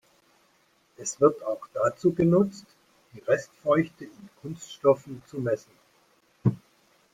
Es wird auch dazu genutzt, die Restfeuchte in Kunststoffen zu messen.